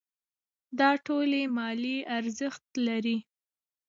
دا ټول مالي ارزښت لري.